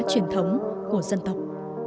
truyền thống của dân tộc